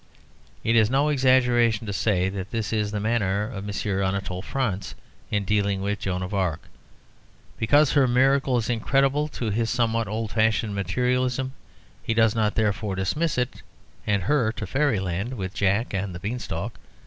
It is no exaggeration to say that this is the manner of M. Anatole France in dealing with Joan of Arc. Because her miracle is incredible to his somewhat old fashioned materialism, he does not therefore dismiss it and her to fairyland with Jack and the Beanstalk.